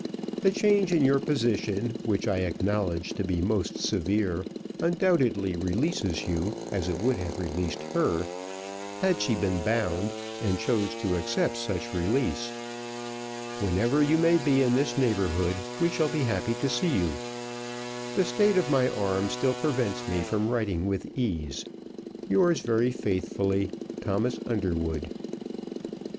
The change in your position, which I acknowledge to be most severe, undoubtedly releases you, as it would have released her, had she been bound and chose to accept such release. Whenever you may be in this neighbourhood we shall be happy to see you. The state of my arm still prevents me from writing with ease. Yours very faithfully, THOMAS UNDERWOOD.